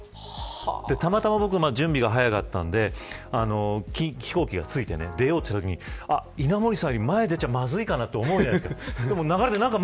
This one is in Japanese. たまたま僕は準備が早かったので飛行機がついて出ようとしたときに稲盛さんより前に出たらまずいと思うじゃないですか。